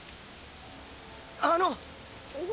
あの！